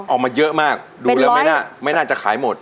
ออกมาเยอะมากดูแล้วไม่น่าจะขายหมด